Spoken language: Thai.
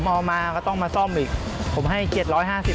โหทำยังทั่วหน่อยมหาชน